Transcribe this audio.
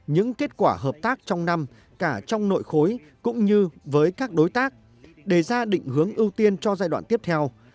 những kết quả hợp tác trong năm cả trong nội khối cũng như với các đối tác để ra định hướng ưu tiên cho giai đoạn tiếp theo